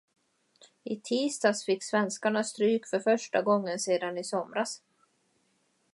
I tisdags fick svenskarna stryk för första gången sedan i somras.